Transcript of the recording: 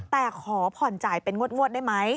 แต่ขอผ่อนจ่ายเป็นงวดได้ไหม